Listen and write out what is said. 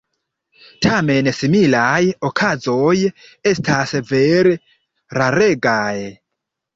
Tamen similaj okazoj estas vere raregaj.